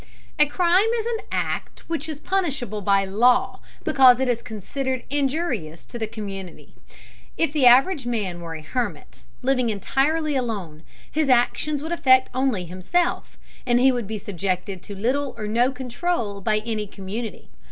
A crime is an act which is punishable by law because it is considered injurious to the community. If the average man were a hermit, living entirely alone, his actions would affect only himself, and he would be subjected to little or no control by any community.